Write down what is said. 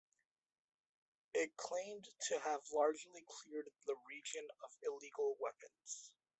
It claimed to have largely cleared the region of illegal weapons.